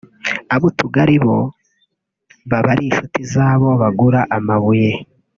ab’utugari bo baba ari inshuti z’abo bagura amabuye